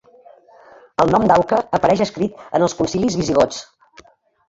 El nom d'Auca apareix escrit en els concilis visigots.